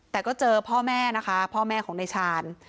แต่ก็เจอพ่อแม่นะคะพ่อแม่ของนายชาญ